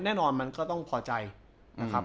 แน่นอนมันก็ต้องพอใจนะครับ